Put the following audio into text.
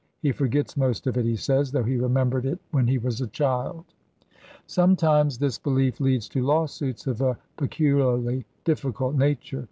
He forgets most of it, he says, though he remembered it when he was a child. Sometimes this belief leads to lawsuits of a peculiarly difficult nature.